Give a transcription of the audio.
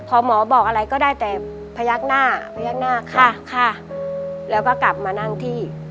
พอหมอบอกอะไรก็ได้แต่พยักหน้าพยักหน้าค่ะค่ะแล้วก็กลับมานั่งที่